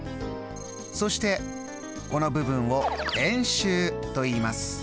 そしてこの部分を円周といいます。